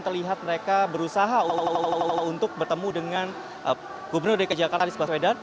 terlihat mereka berusaha untuk bertemu dengan gubernur dki jakarta anies baswedan